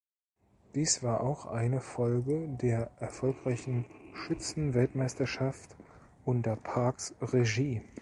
Dies war auch eine Folge der erfolgreichen Schützen-Weltmeisterschaft unter Parks Regie.